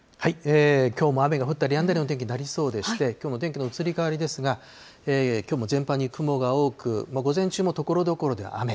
きょうも雨が降ったりやんだりの天気になりそうでして、きょうの天気の移り変わりですが、きょうも全般に雲が多く、午前中もところどころで雨。